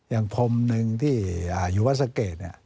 อย่างพรมหนึ่งที่อยู่วัสเกต